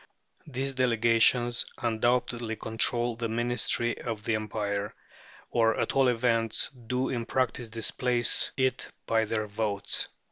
These Delegations undoubtedly control the ministry of the Empire, or at all events do in practice displace it by their votes.